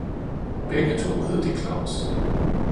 Begge to hed de Claus.